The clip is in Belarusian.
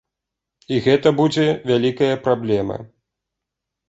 І гэта будзе вялікая праблема.